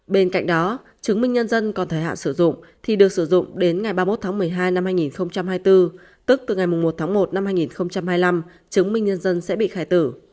bên cạnh đó chứng minh nhân dân còn thời hạn sử dụng thì được sử dụng đến ngày ba mươi một tháng một mươi hai năm hai nghìn hai mươi bốn tức từ ngày một tháng một năm hai nghìn hai mươi năm chứng minh nhân dân sẽ bị khai tử